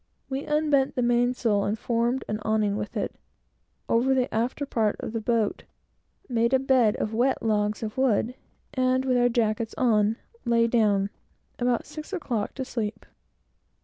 We unbent the mainsail, and formed an awning with it over the after part of the boat, made a bed of wet logs of wood, and, with our jackets on, lay down, about six o'clock, to sleep.